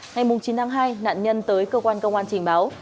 ngày chín tháng hai nạn nhân tới cơ quan công an trình báo